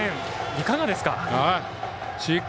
いかがですか。